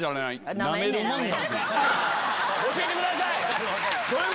教えてください！